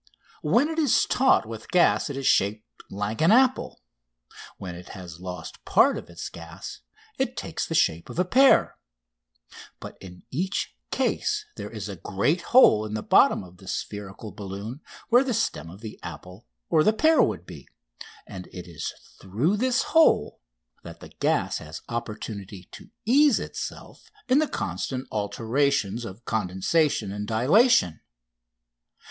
When it is taut with gas it is shaped like an apple; when it has lost part of its gas it takes the shape of a pear; but in each case there is a great hole in the bottom of the spherical balloon where the stem of the apple or the pear would be, and it is through this hole that the gas has opportunity to ease itself in the constant alternations of condensation and dilatation.